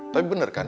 tapi bener kan